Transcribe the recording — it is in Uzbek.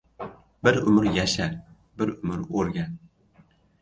• Bir umr yasha — bir umr o‘rgan.